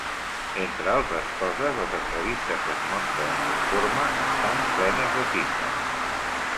Entre altres coses, les entrevistes que es mostren en l'informe estan plenes de cites.